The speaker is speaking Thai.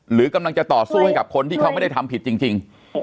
หรือกำลังจะต่อสู้ให้กับคนที่เขาไม่ได้ทำผิดจริง